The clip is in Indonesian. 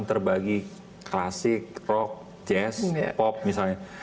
terbagi klasik rock jazz pop misalnya